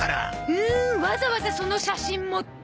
フーンわざわざその写真持って？